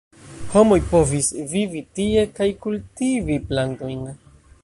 Homoj povis vivi tie kaj kultivi plantojn.